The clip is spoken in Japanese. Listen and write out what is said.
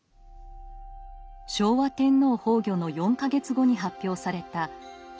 昭和天皇崩御の４か月後に発表された「『昭和』を送る」。